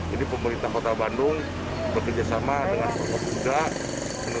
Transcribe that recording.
jadi pemerintah kota bandung bekerjasama dengan pemerintah